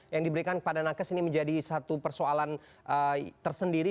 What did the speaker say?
yang diberikan kepada nakes ini menjadi satu persoalan tersendiri